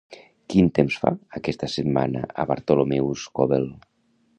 Quin temps fa aquesta setmana a Bartholomew's Cobble?